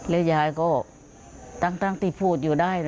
แล้วยายก็ตั้งที่พูดอยู่ได้